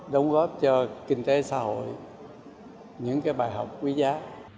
đóng góp cho kinh tế xã hội những bài học quý giá